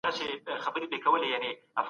میلمستیا وکړئ او مینه زیاته کړئ.